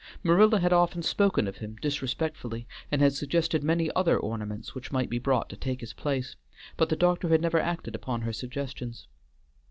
Marilla had often spoken of him disrespectfully, and had suggested many other ornaments which might be brought to take his place, but the doctor had never acted upon her suggestions.